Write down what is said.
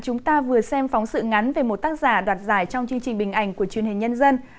chúng ta vừa xem phóng sự ngắn về một tác giả đoạt giải trong chương trình bình ảnh của truyền hình nhân dân